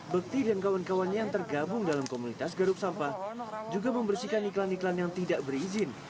bekti dan kawan kawannya yang tergabung dalam komunitas garup sampah juga membersihkan iklan iklan yang tidak berizin